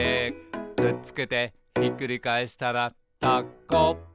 「くっつけてひっくり返したらタコ」